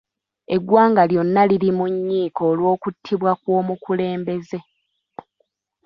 Eggwanga lyonna liri mu nnyiike olw’okuttibwa kw’omukulembeze.